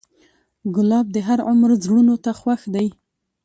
ګلاب د هر عمر زړونو ته خوښ دی.